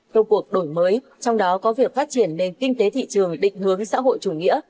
công cuộc đổi mới trong đó có việc phát triển nền kinh tế thị trường định hướng xã hội chủ nghĩa